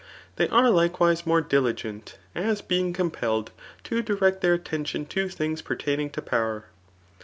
They are likewise more diligent, as being compelled to direct their attention to things pertaining to power.